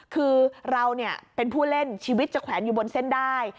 คือเราเป็นผู้เล่นชีวิตจะแขวนอยู่บนเส้นได้